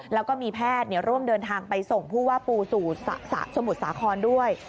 แล้วก็มีแพทย์ร่วมเดินทางไปส่งผู้ว่าปูสู่สมุทรสาครด้วย